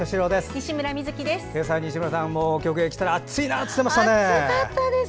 西村美月です。